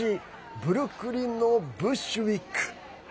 ブルックリンのブッシュウィック。